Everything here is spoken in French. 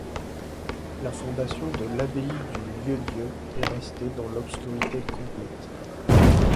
La fondation de l'abbaye du Lieu-Dieu est restée dans l'obscurité complète.